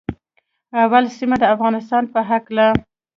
اول سیمه د افغانستان په هکله